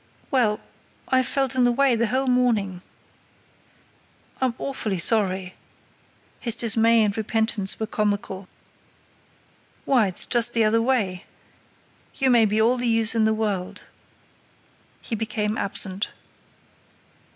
"Well, I've felt in the way the whole morning." "I'm awfully sorry!" His dismay and repentance were comical. "Why, it's just the other way; you may be all the use in the world." He became absent.